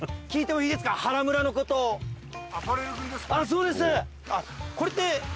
そうです。